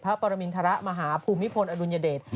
หรือพระปรมิณฑระมหาภูมิพลอดุรนญเดช